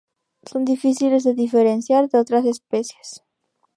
Son difíciles de diferenciar de otras especies.